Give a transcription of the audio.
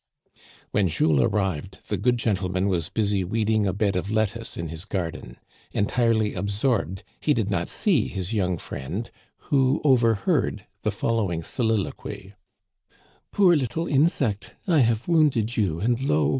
When Jules arrived, the good gentleman was busy weeding a bed of lettuce in his garden. Entirely ab sorbed, he did not see his young friend, who overheard the following soliloquy :" Poor little insect ! I have wounded you, and lo